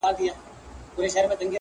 دا ارزانه افغانان چي سره ګران سي,